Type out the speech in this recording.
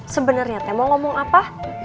sebenarnya teh mau ngomong apa